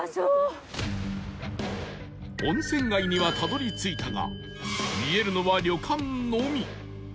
温泉街にはたどり着いたが見えるのは旅館のみ